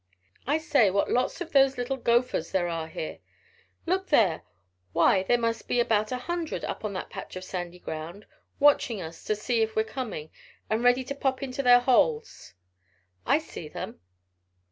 I say, what lots of those little gophers there are here. Look there; why, there must be about a hundred up on that patch of sandy ground. Watching us to see if we're coming, and ready to pop into their holes." "I see them.